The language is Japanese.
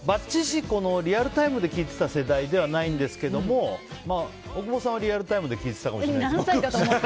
リアルタイムで聴いていた世代ではないですが大久保さんはリアルタイムで聴いてたかもしれないですけど。